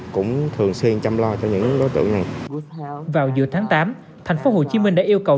cũng thường xuyên chăm lo cho những đối tượng này vào giữa tháng tám thành phố hồ chí minh đã yêu cầu